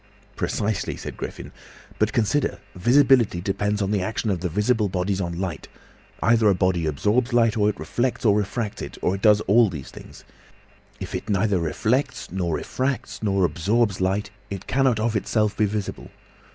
"Precisely," said Griffin. "But consider, visibility depends on the action of the visible bodies on light. Either a body absorbs light, or it reflects or refracts it, or does all these things. If it neither reflects nor refracts nor absorbs light, it cannot of itself be visible.